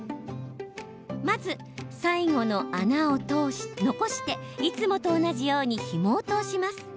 まず、最後の穴を残していつもと同じようにひもを通します。